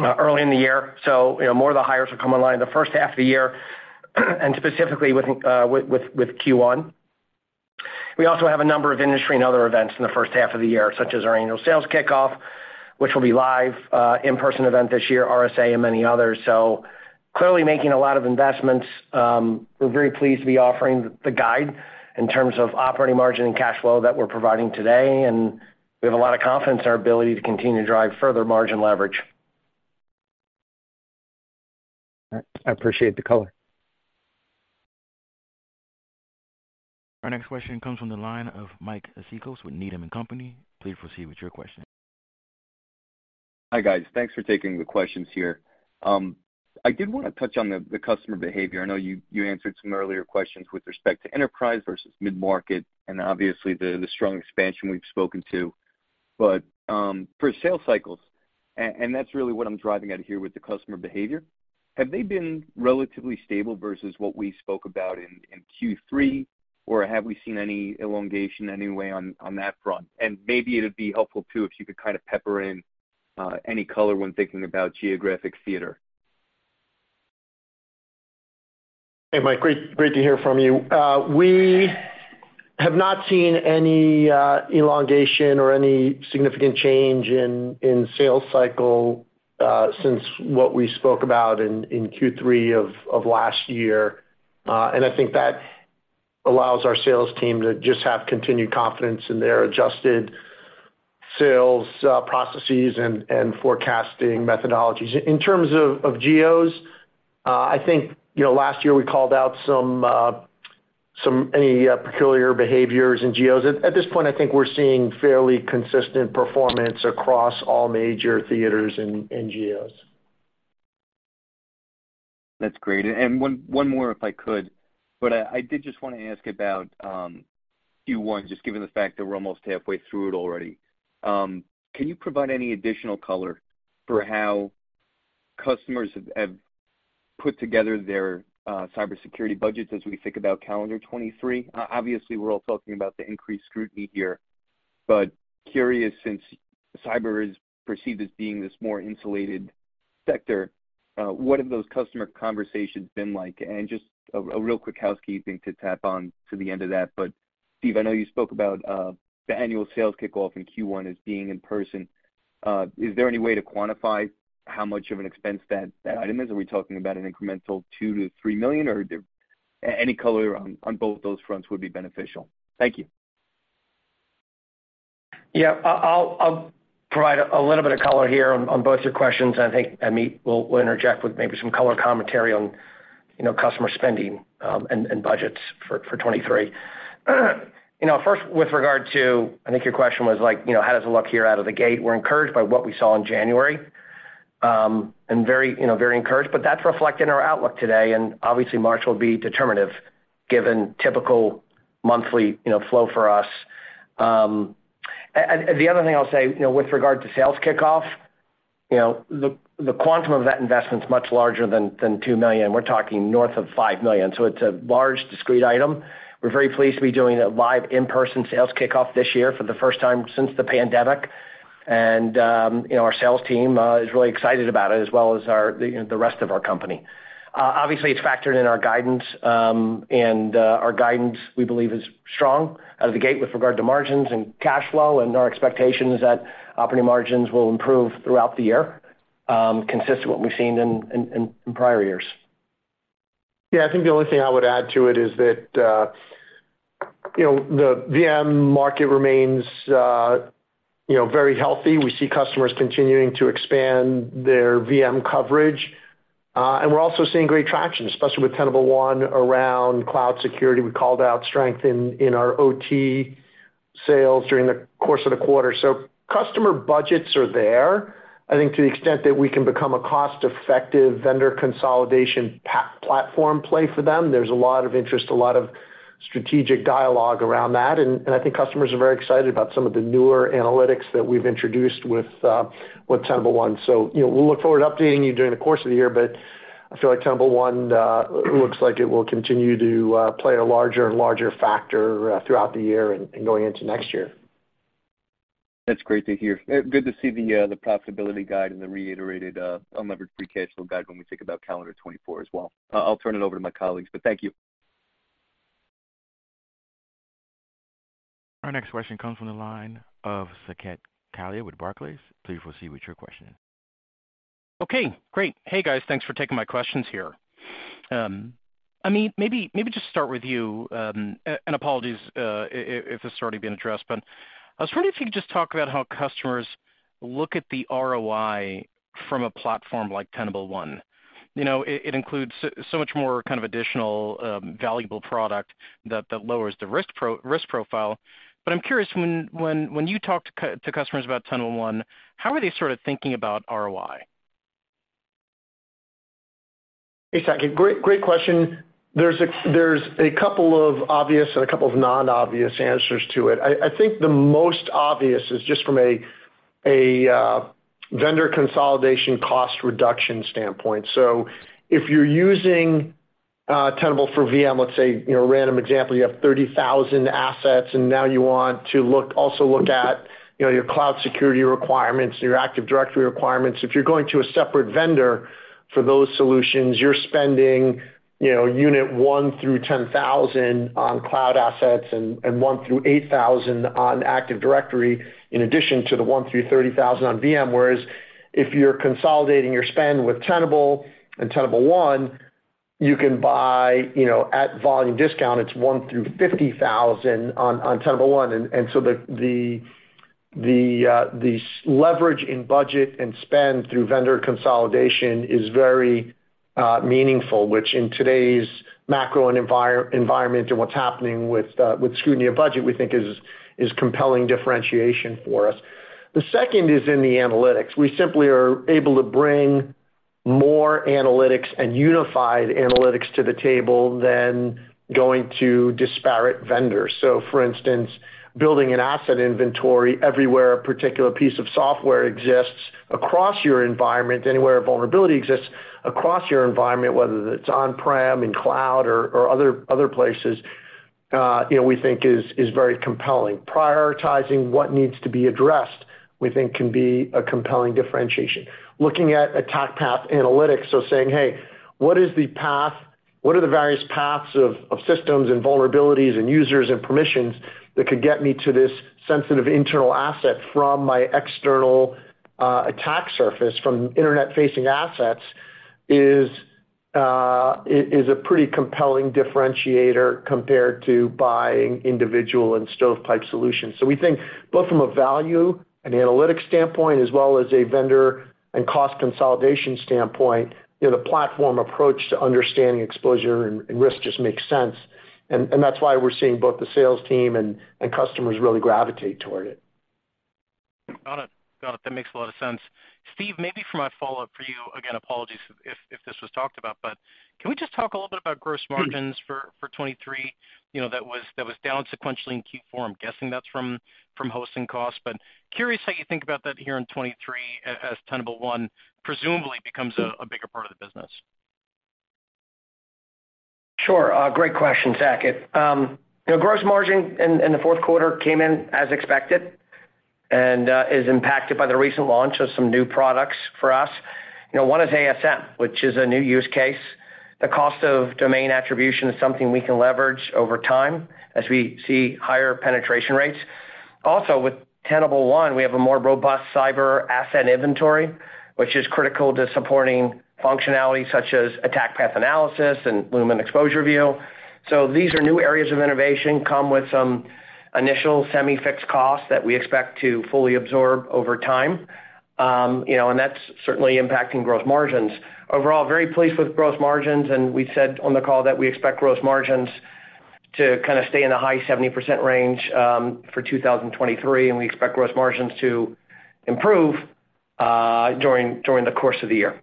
early in the year, you know, more of the hires will come online in the first half of the year, and specifically with Q1. We also have a number of industry and other events in the first half of the year, such as our annual sales kickoff, which will be live, in-person event this year, RSA and many others. Clearly making a lot of investments. We're very pleased to be offering the guide in terms of operating margin and cash flow that we're providing today, and we have a lot of confidence in our ability to continue to drive further margin leverage. All right. I appreciate the color. Our next question comes from the line of Mike Cikos with Needham & Company. Please proceed with your question. Hi, guys. Thanks for taking the questions here. I did wanna touch on the customer behavior. I know you answered some earlier questions with respect to enterprise versus mid-market, and obviously the strong expansion we've spoken to. For sales cycles, and that's really what I'm driving at here with the customer behavior, have they been relatively stable versus what we spoke about in Q3? Have we seen any elongation anyway on that front? Maybe it'd be helpful too if you could kind of pepper in any color when thinking about geographic theater. Hey, Mike, great to hear from you. We have not seen any elongation or any significant change in sales cycle since what we spoke about in Q3 of last year. I think that allows our sales team to just have continued confidence in their adjusted sales processes and forecasting methodologies. In terms of geos, I think, you know, last year we called out some any peculiar behaviors in geos. At this point, I think we're seeing fairly consistent performance across all major theaters and geos. That's great. One more, if I could. I did just wanna ask about Q1, just given the fact that we're almost halfway through it already. Can you provide any additional color for how customers have put together their cybersecurity budgets as we think about calendar 2023? Obviously, we're all talking about the increased scrutiny here, but curious since cyber is perceived as being this more insulated sector, what have those customer conversations been like? Just a real quick housekeeping to tap on to the end of that, Steve, I know you spoke about the annual sales kickoff in Q1 as being in person. Is there any way to quantify how much of an expense that item is? Are we talking about an incremental $2-3 million, or any color on both those fronts would be beneficial? Thank you. Yeah. I'll provide a little bit of color here on both your questions, and I think, and Amit will interject with maybe some color commentary on, you know, customer spending, and budgets for 2023. You know, first, with regard to, I think your question was like, you know, how does it look here out of the gate? We're encouraged by what we saw in January, and very encouraged. That's reflected in our outlook today, and obviously March will be determinative given typical monthly, you know, flow for us. And the other thing I'll say, you know, with regard to sales kickoff, you know, the quantum of that investment's much larger than $2 million. We're talking north of $5 million. It's a large discrete item. We're very pleased to be doing a live in-person sales kickoff this year for the first time since the pandemic. You know, our sales team is really excited about it as well as you know, the rest of our company. Obviously, it's factored in our guidance, and our guidance, we believe is strong out of the gate with regard to margins and cash flow, and our expectation is that operating margins will improve throughout the year, consistent to what we've seen in prior years. Yeah. I think the only thing I would add to it is that, you know, the VM market remains, you know, very healthy. We see customers continuing to expand their VM coverage. We're also seeing great traction, especially with Tenable One around cloud security. We called out strength in our OT sales during the course of the quarter. Customer budgets are there. I think to the extent that we can become a cost-effective vendor consolidation platform play for them, there's a lot of interest, a lot of strategic dialogue around that. I think customers are very excited about some of the newer analytics that we've introduced with Tenable One. You know, we'll look forward to updating you during the course of the year, but I feel like Tenable One, looks like it will continue to play a larger and larger factor throughout the year and going into next year. That's great to hear. Good to see the profitability guide and the reiterated unlevered free cash flow guide when we think about calendar 2024 as well. I'll turn it over to my colleagues, but thank you. Our next question comes from the line of Saket Kalia with Barclays. Please proceed with your question. Okay, great. Hey, guys. Thanks for taking my questions here. Amit, maybe just start with you. And apologies, if this has already been addressed, but I was wondering if you could just talk about how customers look at the ROI from a platform like Tenable One. You know, it includes so much more kind of additional, valuable product that lowers the risk profile. I'm curious, when you talk to customers about Tenable One, how are they sort of thinking about ROI? Hey, Saket. Great question. There's a couple of obvious and a couple of non-obvious answers to it. I think the most obvious is just from a vendor consolidation cost reduction standpoint. If you're using Tenable for VM, let's say, you know, a random example, you have 30,000 assets, and now you want to also look at, you know, your cloud security requirements and your Active Directory requirements. If you're going to a separate vendor for those solutions, you're spending, you know, unit one through 10,000 on cloud assets and one through 8,000 on Active Directory in addition to the one through 30,000 on VM. Whereas if you're consolidating your spend with Tenable and Tenable One, you can buy, you know, at volume discount, it's one through 50,000 on Tenable One. The leverage in budget and spend through vendor consolidation is very meaningful, which in today's macro environment and what's happening with scrutiny of budget, we think is compelling differentiation for us. The second is in the analytics. We simply are able to bring more analytics and unified analytics to the table than going to disparate vendors. For instance, building an asset inventory everywhere a particular piece of software exists across your environment, anywhere a vulnerability exists across your environment, whether it's on-prem, in cloud or other places, you know, we think is very compelling. Prioritizing what needs to be addressed, we think can be a compelling differentiation. Looking at Attack Path Analysis, so saying, "Hey, what is the path? What are the various paths of systems and vulnerabilities and users and permissions that could get me to this sensitive internal asset from my external attack surface from internet-facing assets?" Is a pretty compelling differentiator compared to buying individual and stovepipe solutions. We think both from a value and analytics standpoint as well as a vendor and cost consolidation standpoint, you know, the platform approach to understanding exposure and risk just makes sense. That's why we're seeing both the sales team and customers really gravitate toward it. Got it. Got it. That makes a lot of sense. Steve, maybe for my follow-up for you, again, apologies if this was talked about, but can we just talk a little bit about gross margins for 2023? You know, that was down sequentially in Q4. I'm guessing that's from hosting costs. Curious how you think about that here in 2023 as Tenable One presumably becomes a bigger part of the business. Sure. Great question, Saket. You know, gross margin in Q4 came in as expected and is impacted by the recent launch of some new products for us. You know, one is ASM, which is a new use case. The cost of domain attribution is something we can leverage over time as we see higher penetration rates. With Tenable One, we have a more robust cyber asset inventory, which is critical to supporting functionality such as Attack Path Analysis and Lumin Exposure View. These are new areas of innovation, come with some initial semi-fixed costs that we expect to fully absorb over time. You know, that's certainly impacting growth margins. Overall, very pleased with growth margins. We said on the call that we expect growth margins to kind of stay in the high 70% range for 2023. We expect growth margins to improve during the course of the year.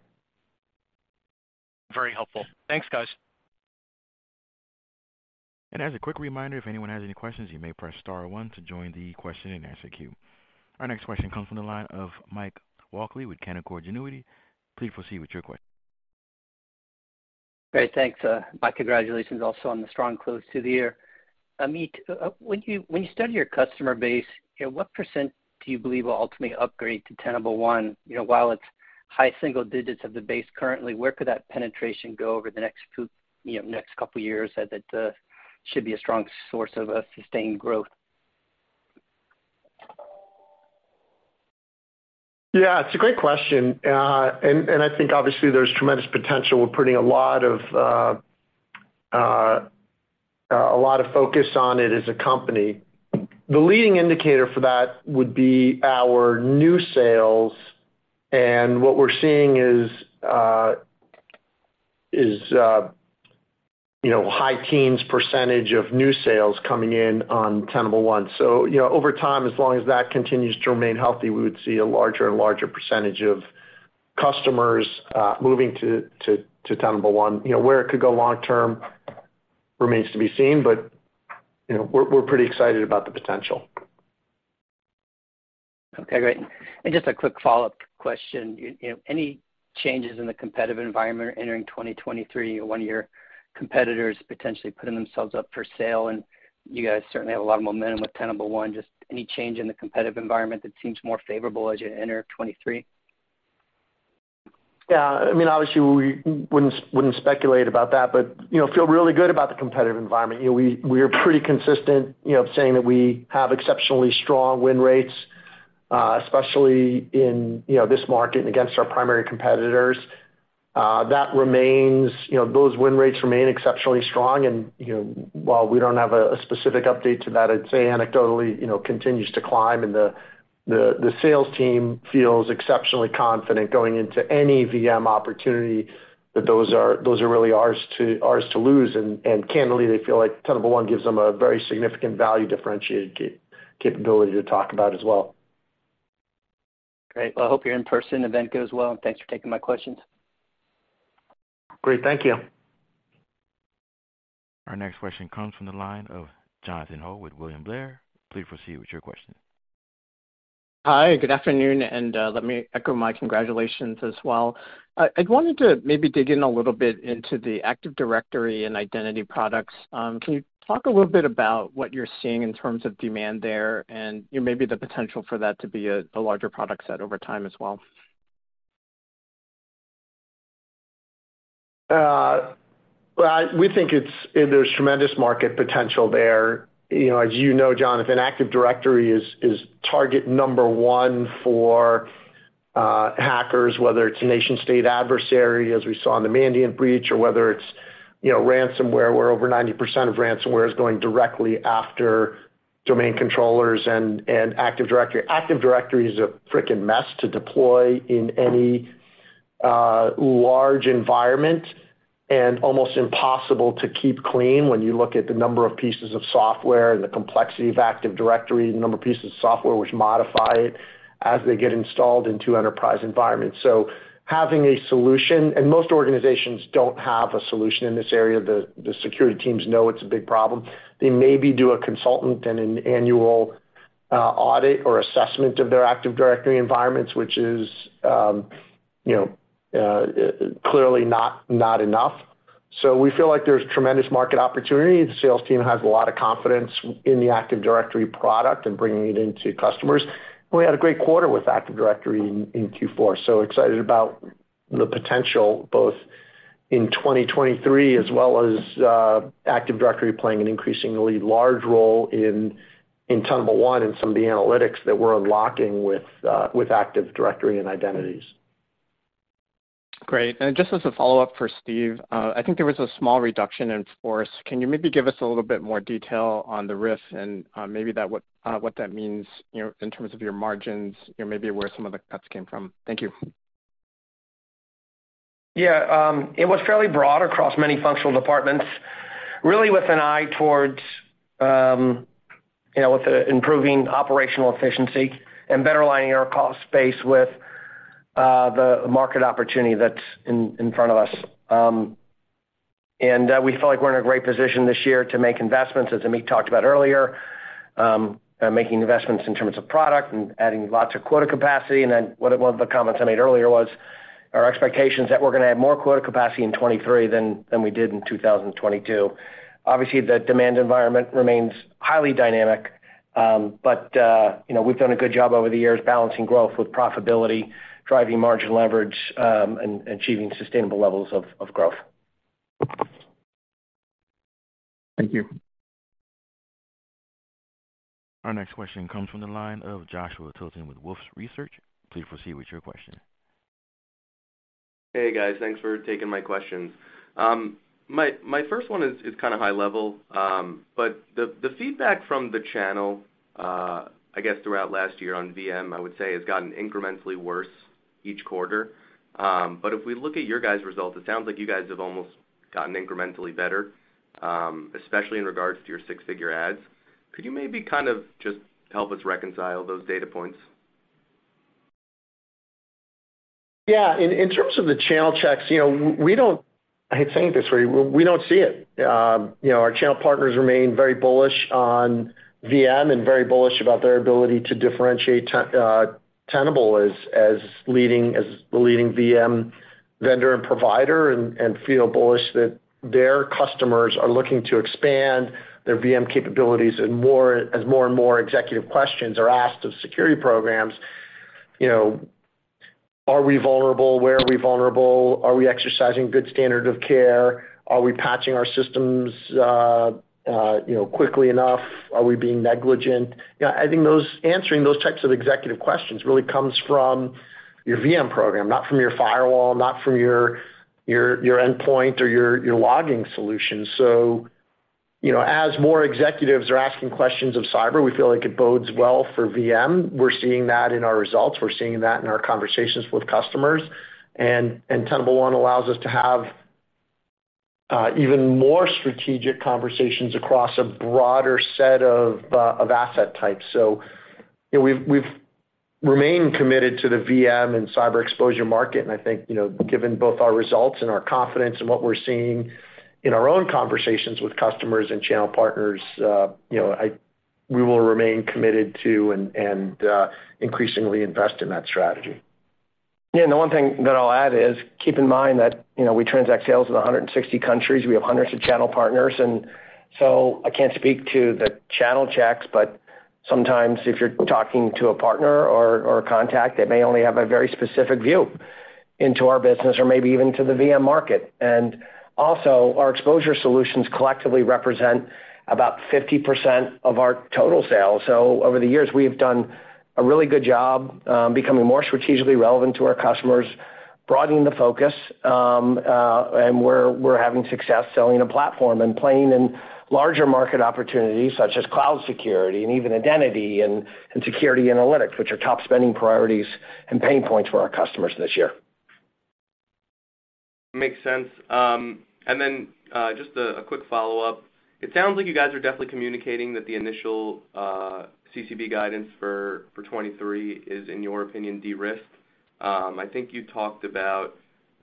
Very helpful. Thanks, guys. As a quick reminder, if anyone has any questions, you may press star one to join the question and answer queue. Our next question comes from the line of Mike Walkley with Canaccord Genuity. Please proceed with your question. Great. Thanks. My congratulations also on the strong close to the year. Amit, when you study your customer base, you know, what percent do you believe will ultimately upgrade to Tenable One? You know, while it's high single digits of the base currently, where could that penetration go over the next couple of years that should be a strong source of sustained growth? Yeah, it's a great question. I think obviously there's tremendous potential. We're putting a lot of focus on it as a company. The leading indicator for that would be our new sales, what we're seeing is, you know, high teens percentage of new sales coming in on Tenable One. You know, over time, as long as that continues to remain healthy, we would see a larger and larger percentage of customers moving to Tenable One. You know, where it could go long term remains to be seen, but, you know, we're pretty excited about the potential. Okay, great. Just a quick follow-up question. You know, any changes in the competitive environment entering 2023 when your competitors potentially putting themselves up for sale, and you guys certainly have a lot of momentum with Tenable One. Just any change in the competitive environment that seems more favorable as you enter 2023? Yeah. I mean, obviously, we wouldn't speculate about that, but, you know, feel really good about the competitive environment. You know, we are pretty consistent, you know, saying that we have exceptionally strong win rates, especially in, you know, this market against our primary competitors. That remains, you know, those win rates remain exceptionally strong and, you know, while we don't have a specific update to that, I'd say anecdotally, you know, continues to climb and the sales team feels exceptionally confident going into any VM opportunity that those are really ours to lose. Candidly, they feel like Tenable One gives them a very significant value differentiated capability to talk about as well. Great. Well, I hope your in-person event goes well, and thanks for taking my questions. Great. Thank you. Our next question comes from the line of Jonathan Ho with William Blair. Please proceed with your question. Hi, good afternoon, and, let me echo my congratulations as well. I wanted to maybe dig in a little bit into the Active Directory and identity products. Can you talk a little bit about what you're seeing in terms of demand there and, you know, maybe the potential for that to be a larger product set over time as well? Well, there's tremendous market potential there. You know, as you know, Jonathan, Active Directory is target number one for hackers, whether it's a nation state adversary, as we saw in the Mandiant breach or whether it's, you know, ransomware, where over 90% of ransomware is going directly after domain controllers and Active Directory. Active Directory is a freaking mess to deploy in any large environment and almost impossible to keep clean when you look at the number of pieces of software and the complexity of Active Directory, the number of pieces of software which modify it as they get installed into enterprise environments. Having a solution. Most organizations don't have a solution in this area. The security teams know it's a big problem. They maybe do a consultant and an annual audit or assessment of their Active Directory environments, which is, you know, clearly not enough. We feel like there's tremendous market opportunity. The sales team has a lot of confidence in the Active Directory product and bringing it into customers. We had a great quarter with Active Directory in Q4, excited about the potential both in 2023 as well as Active Directory playing an increasingly large role in Tenable One and some of the analytics that we're unlocking with Active Directory and identities. Great. Just as a follow-up for Steve, I think there was a small reduction in force. Can you maybe give us a little bit more detail on the RIF and what that means, you know, in terms of your margins, you know, maybe where some of the cuts came from. Thank you. Yeah. It was fairly broad across many functional departments, really with an eye towards, you know, improving operational efficiency and better aligning our cost base with the market opportunity that's in front of us. We feel like we're in a great position this year to make investments, as Amit talked about earlier, making investments in terms of product and adding lots of quota capacity. One of the comments I made earlier was our expectations that we're gonna add more quota capacity in 2023 than we did in 2022. Obviously, the demand environment remains highly dynamic, you know, we've done a good job over the years balancing growth with profitability, driving margin leverage, and achieving sustainable levels of growth. Thank you. Our next question comes from the line of Joshua Tilton with Wolfe Research. Please proceed with your question. Hey, guys. Thanks for taking my questions. My first one is kinda high level, but the feedback from the channel, I guess throughout last year on VM, I would say has gotten incrementally worse each quarter. If we look at your guys' results, it sounds like you guys have almost gotten incrementally better, especially in regards to your six-figure ads. Could you maybe kind of just help us reconcile those data points? In terms of the channel checks, you know, I hate saying it this way, we don't see it. You know, our channel partners remain very bullish on VM and very bullish about their ability to differentiate Tenable as leading, as the leading VM vendor and provider and feel bullish that their customers are looking to expand their VM capabilities as more and more executive questions are asked of security programs, you know, are we vulnerable? Where are we vulnerable? Are we exercising good standard of care? Are we patching our systems, you know, quickly enough? Are we being negligent? You know, I think answering those types of executive questions really comes from your VM program, not from your firewall, not from your endpoint or your logging solution. you know, as more executives are asking questions of cyber, we feel like it bodes well for VM. We're seeing that in our results. We're seeing that in our conversations with customers. And Tenable One allows us to have even more strategic conversations across a broader set of asset types. you know, we've remained committed to the VM and cyber exposure market, and I think, you know, given both our results and our confidence in what we're seeing in our own conversations with customers and channel partners, you know, We will remain committed to and increasingly invest in that strategy. The one thing that I'll add is keep in mind that, you know, we transact sales in 160 countries. We have hundreds of channel partners. I can't speak to the channel checks, but sometimes if you're talking to a partner or a contact, they may only have a very specific view into our business or maybe even to the VM market. Our exposure solutions collectively represent about 50% of our total sales. Over the years, we have done a really good job becoming more strategically relevant to our customers, broadening the focus, and we're having success selling a platform and playing in larger market opportunities such as cloud security and even identity and security analytics, which are top spending priorities and pain points for our customers this year. Makes sense. Then, just a quick follow-up. It sounds like you guys are definitely communicating that the initial CCB guidance for 2023 is, in your opinion, de-risked. I think you talked about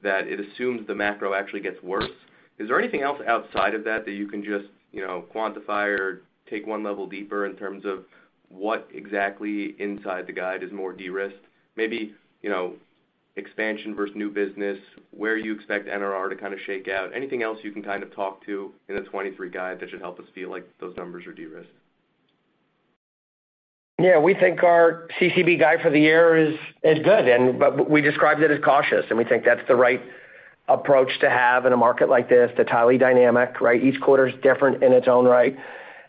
that it assumes the macro actually gets worse. Is there anything else outside of that that you can just, you know, quantify or take one level deeper in terms of what exactly inside the guide is more de-risked? Maybe, you know, expansion versus new business, where you expect NRR to kind of shake out. Anything else you can kind of talk to in the 2023 guide that should help us feel like those numbers are de-risked? We think our CCB guide for the year is good but we described it as cautious, and we think that's the right approach to have in a market like this. It's highly dynamic, right? Each quarter is different in its own right.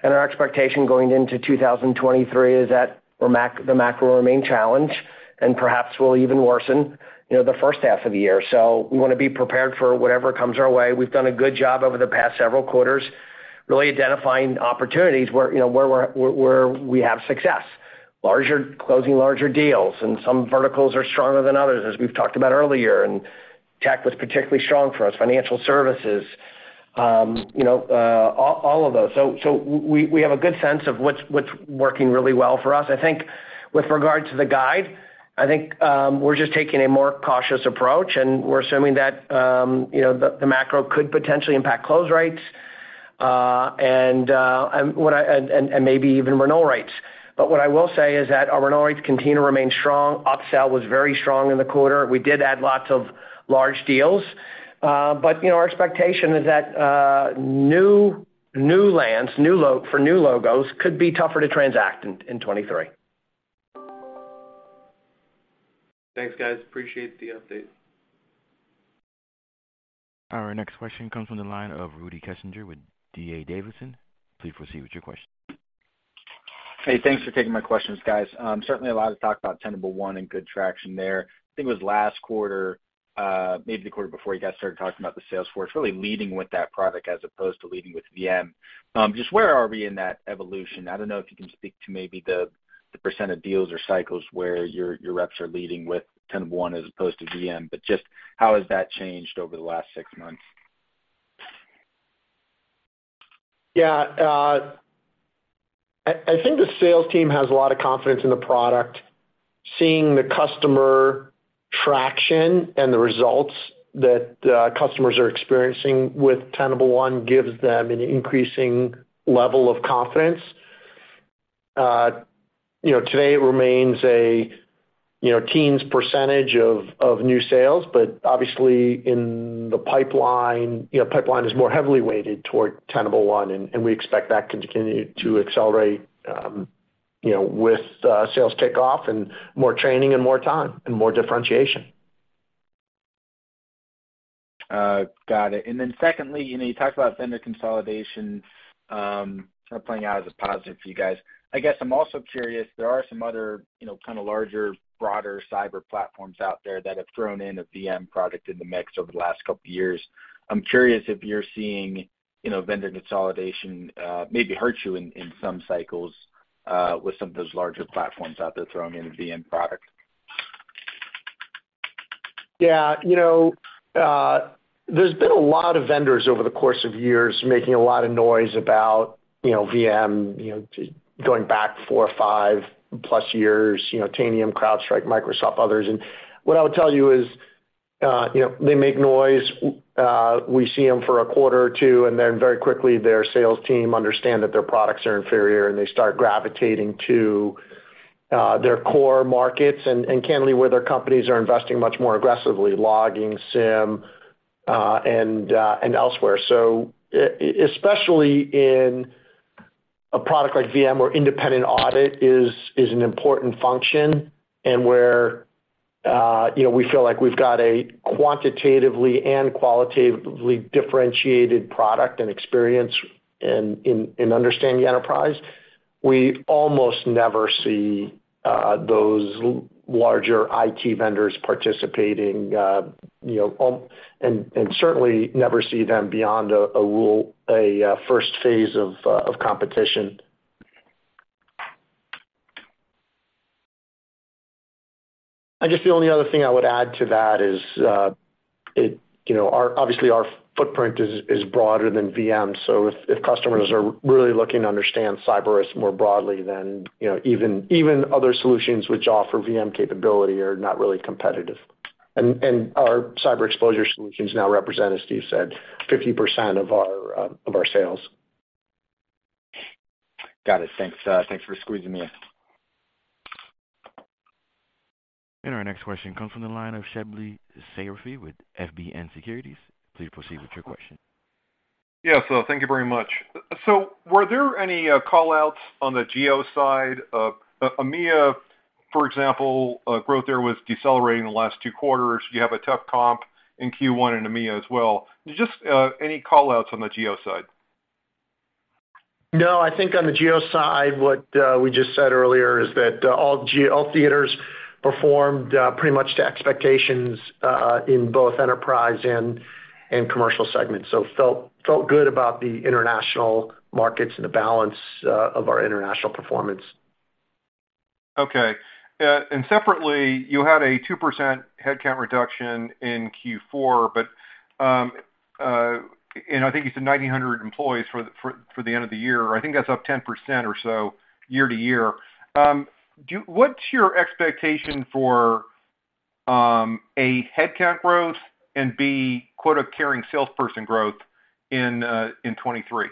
Our expectation going into 2023 is that the macro will remain challenged and perhaps will even worsen, you know, the first half of the year. We wanna be prepared for whatever comes our way. We've done a good job over the past several quarters, really identifying opportunities where, you know, where we have success. Closing larger deals, and some verticals are stronger than others, as we've talked about earlier. Tech was particularly strong for us, financial services, you know, all of those. We have a good sense of what's working really well for us. I think with regard to the guide, I think, we're just taking a more cautious approach, and we're assuming that, you know, the macro could potentially impact close rates, and maybe even renewal rates. What I will say is that our renewal rates continue to remain strong. Upsell was very strong in the quarter. We did add lots of large deals. You know, our expectation is that new lands for new logos could be tougher to transact in 2023. Thanks, guys. Appreciate the update. Our next question comes from the line of Rudy Kessinger with D.A. Davidson. Please proceed with your question. Hey, thanks for taking my questions, guys. Certainly a lot of talk about Tenable One and good traction there. I think it was last quarter, maybe the quarter before you guys started talking about the Salesforce really leading with that product as opposed to leading with VM. Just where are we in that evolution? I don't know if you can speak to maybe the percent of deals or cycles where your reps are leading with Tenable One as opposed to VM. Just how has that changed over the last six months? Yeah. I think the sales team has a lot of confidence in the product. Seeing the customer traction and the results that customers are experiencing with Tenable One gives them an increasing level of confidence. You know, today it remains a, you know, teens percentage of new sales, obviously in the pipeline, you know, pipeline is more heavily weighted toward Tenable One, and we expect that to continue to accelerate, you know, with sales kickoff and more training and more time and more differentiation. Got it. Secondly, you know, you talked about vendor consolidation, sort of playing out as a positive for you guys. I guess I'm also curious, there are some other, you know, kind of larger, broader cyber platforms out there that have thrown in a VM product in the mix over the last couple years. I'm curious if you're seeing, you know, vendor consolidation, maybe hurt you in some cycles, with some of those larger platforms out there throwing in a VM product? Yeah. You know, there's been a lot of vendors over the course of years making a lot of noise about, you know, VM, you know, going back four or 5+ years, you know, Tanium, CrowdStrike, Microsoft, others. What I would tell you is, you know, they make noise. We see them for a quarter or two, very quickly their sales team understand that their products are inferior, they start gravitating to their core markets and candidly, where their companies are investing much more aggressively, logging, SIEM, elsewhere. Especially in a product like VM where independent audit is an important function and where, you know, we feel like we've got a quantitatively and qualitatively differentiated product and experience in understanding the enterprise, we almost never see those larger IT vendors participating, you know, and certainly never see them beyond a first phase of competition. I guess the only other thing I would add to that is, you know, obviously our footprint is broader than VM. If customers are really looking to understand cyber risk more broadly, then, you know, even other solutions which offer VM capability are not really competitive. Our cyber exposure solutions now represent, as Steve said, 50% of our of our sales. Got it. Thanks, thanks for squeezing me in. Our next question comes from the line of Shebly Seyrafi with FBN Securities. Please proceed with your question. Yes. Thank you very much. Were there any call-outs on the geo side of EMEA, for example? Growth there was decelerating the last two quarters. You have a tough comp in Q1 in EMEA as well. Just, any call-outs on the geo side? I think on the geo side, what we just said earlier is that all theaters performed pretty much to expectations in both enterprise and commercial segments. Felt good about the international markets and the balance of our international performance. Okay. Separately, you had a 2% head count reduction in Q4, and I think it's in 1,900 employees for the end of the year. I think that's up 10% or so year-over-year. What's your expectation for, A, headcount growth and B, quota-carrying salesperson growth in 2023?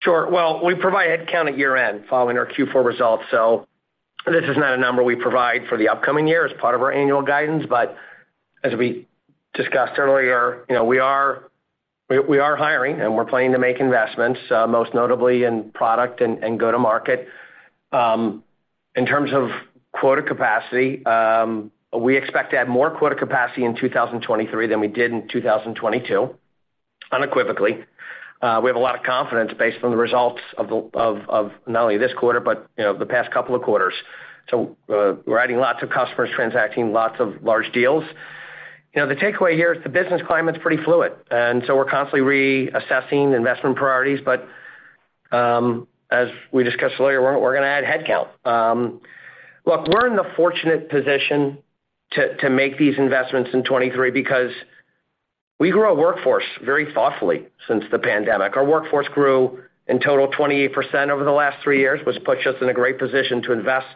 Sure. Well, we provide headcount at year-end following our Q4 results. This is not a number we provide for the upcoming year as part of our annual guidance. As we discussed earlier, you know, we are hiring, and we're planning to make investments, most notably in product and go-to-market. In terms of quota capacity, we expect to add more quota capacity in 2023 than we did in 2022, unequivocally. We have a lot of confidence based on the results of not only this quarter but, you know, the past couple of quarters. We're adding lots of customers, transacting lots of large deals. You know, the takeaway here is the business climate's pretty fluid, we're constantly reassessing investment priorities. As we discussed earlier, we're gonna add headcount. Look, we're in the fortunate position to make these investments in 2023 because we grew our workforce very thoughtfully since the pandemic. Our workforce grew in total 28% over the last three years, which puts us in a great position to invest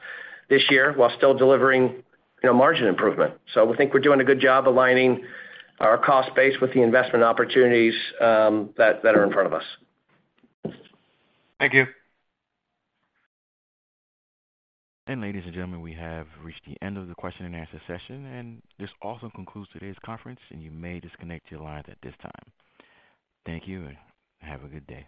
this year while still delivering, you know, margin improvement. We think we're doing a good job aligning our cost base with the investment opportunities that are in front of us. Thank you. Ladies and gentlemen, we have reached the end of the question and answer session. This also concludes today's conference. You may disconnect your lines at this time. Thank you. Have a good day.